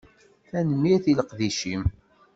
Tanemmirt i leqdic-im